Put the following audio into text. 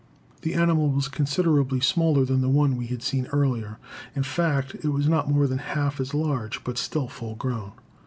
The animal was considerably smaller than the one we had seen earlier; in fact, it was not more than half as large, but still full grown.